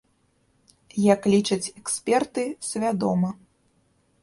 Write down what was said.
Як лічаць эксперты, свядома.